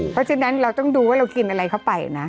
เพราะฉะนั้นเราต้องดูว่าเรากินอะไรเข้าไปนะ